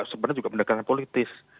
itu sebenarnya juga pendekatan politis